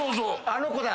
あの子だ。